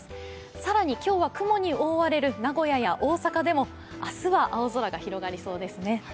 更に今日は雲に覆われる名古屋や大阪でも明日は青空が広がりそうですね。